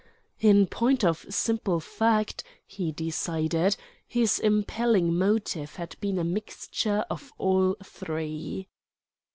In point of simple fact (he decided), his impelling motive had been a mixture of all three.